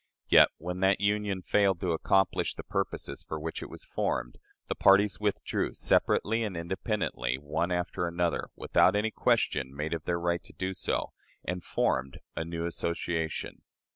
Yet, when that Union failed to accomplish the purposes for which it was formed, the parties withdrew, separately and independently, one after another, without any question made of their right to do so, and formed a new association.